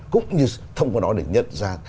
cũng như thông qua đó để nhận ra